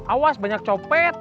awas banyak copet